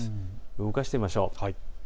動かしてみましょう。